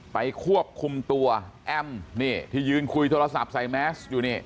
ควบคุมตัวแอมนี่ที่ยืนคุยโทรศัพท์ใส่แมสอยู่นี่